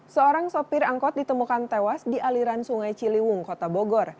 seorang sopir angkot ditemukan tewas di aliran sungai ciliwung kota bogor